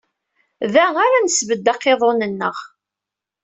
Da ara nessebded aqiḍun-nneɣ.